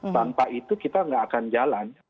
tanpa itu kita nggak akan jalan